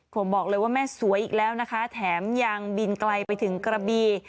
ผมบอกเลยว่าแม่สวยอีกแล้วนะคะแถมยังบินไกลไปถึงกระบี